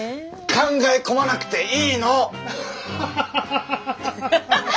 考え込まなくていいの！